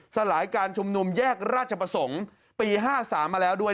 สลายการชุมนุมแยกราชประสงค์ปี๕๓มาแล้วด้วย